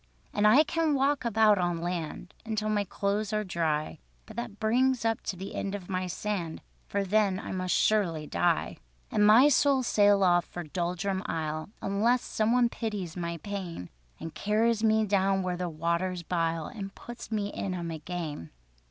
"And I can walk about on land Until my clothes are dry, But that brings up to the end of my sand, For then I must surely die: "And my soul sail off for Doldrum Isle, Unless some one pities my pain, And carries me down where the waters bile, And puts me in 'em again.